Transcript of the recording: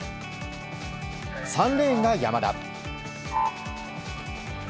３レーンが山田。